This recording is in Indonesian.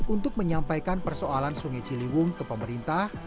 untuk menyampaikan persoalan sungai ciliwung ke pemerintah